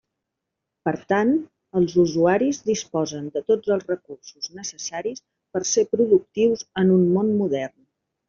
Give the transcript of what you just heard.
Per tant, els usuaris disposen de tots els recursos necessaris per ser productius en un món modern.